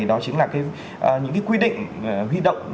đó chính là những cái quy định huy động